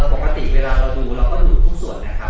ปกติเวลาเราดูเราก็ดูทุกส่วนนะครับ